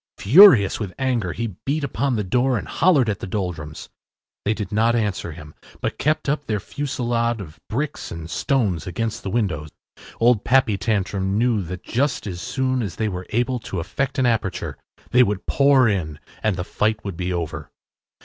Furious with anger, he beat upon the door and hollered at the Doldrums. They did not answer him, but kept up their fusillade of bricks and stones against the window. Old Pappy Tantrum knew that just as soon as they were able to effect an aperture they would pour in and the fight would be over.